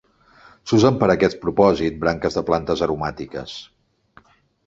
S'usen per a aquest propòsit branques de plantes aromàtiques.